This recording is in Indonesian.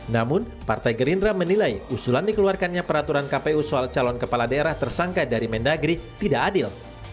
namun partai gerindra menilai usulan dikeluarkannya peraturan kpu soal calon kepala daerah tersangka dari mendagri tidak adil